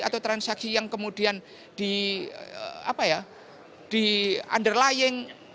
atau transaksi yang kemudian di underlying